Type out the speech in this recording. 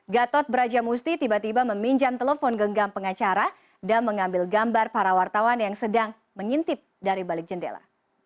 gatot brajamusti tiba tiba meminjam telepon genggam pengacara dan mengambil gambar para wartawan yang sedang mengintip dari balik jendela